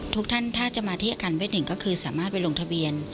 ทุกท่านถ้าจะมาที่อาคารเวทหนึ่งก็คือสามารถไปลงทะเบียน